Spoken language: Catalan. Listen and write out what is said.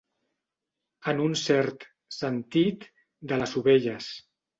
En un cert sentit, de les ovelles.